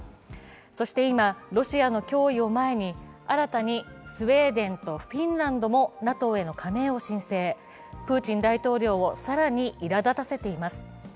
そして今、ロシアの脅威を前に新たにスウェーデンとフィンランドもＮＡＴＯへの加盟を申請、プーチン大統領を更にいらだたせています。